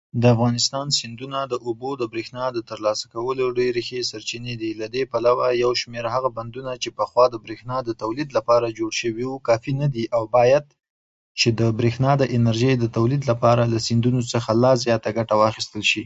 د افغانستان سیندونه د اوبو د برېښنا د ترلاسه کولو ډېرې ښې سرچینې دي. له دې پلوه یو شمېر هغه بندونه چې پخوا د برېښنا د تولید لپاره جوړ شوي وو، کافي نه دي او باید چې د برېښنا د انرژۍ د تولید لپاره د سیندونو څخه لا زیاته ګټه واخیستل شي.